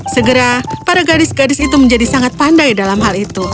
segera para gadis gadis itu menjadi sangat pandai dalam hal itu